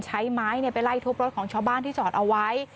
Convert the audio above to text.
ใช้ไม้ไปไล่ทุบรถของชาวบ้านที่จอดเอาไว้